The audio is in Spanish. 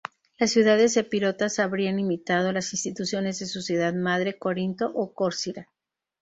Las ciudades epirotas habrían imitado las instituciones de su ciudad madre, Corinto o Corcira.